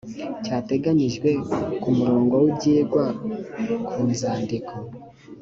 cyategenyijwe ku murongo w ibyigwa ku nzandiko